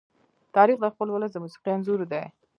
تاریخ د خپل ولس د موسیقي انځور دی.